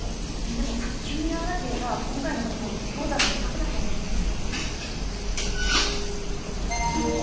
でも早急にやらなければ、今回のことも氷山の一角だと思います。